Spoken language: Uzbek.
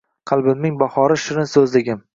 Qalbimning bahori, shirin so`zligim